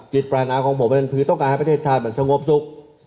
ปรานาของผมมันคือต้องการให้ประเทศชาติมันสงบสุข